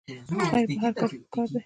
خیر په هر کار کې پکار دی